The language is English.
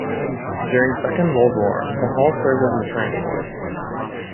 During the Second World War the hall served as a maternity hospital.